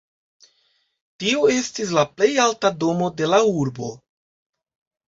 Tio estis la plej alta domo de la urbo.